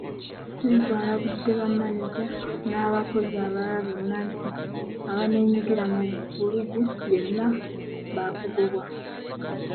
Ssenkulu alabudde bamaneja n’abakozi abalala bonna nti abaneenyigira mu vvulugu yenna baakugobwa.